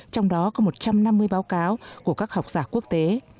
trong đó có một trăm năm mươi báo cáo của các học giả quốc tế